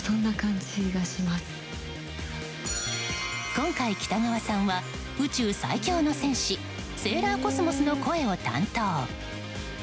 今回北川さんは宇宙最強の戦士セーラーＣｏｓｍｏｓの声を担当。